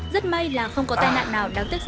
rất may là không có tai nạn nào đáng tiếc xảy ra